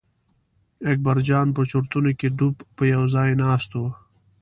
اکبرجان په چورتونو کې ډوب په یوه ځای ناست و.